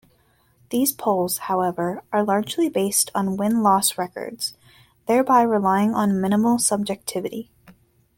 These polls, however, are largely based on win-loss records, thereby relying on minimal subjectivity.